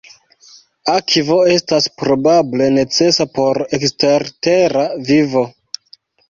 Akvo estas probable necesa por ekstertera vivo.